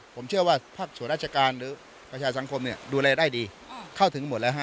ผมเชื่อว่าภาคส่วนราชการหรือประชาสังคมเนี่ยดูแลได้ดีเข้าถึงหมดแล้วฮะ